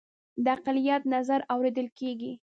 د اقلیت نظر اوریدل کیږي